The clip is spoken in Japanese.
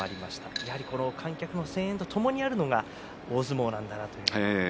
やはり観客の声援とともにあるのが、大相撲なんだなと。